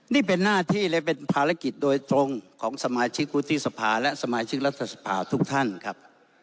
นี่เป็นหน้าที่และเป็นภารกิจโดยตรงของสมาชิกวุฒิสภาและสมาชิกรัฐสภาทุกท่านครับ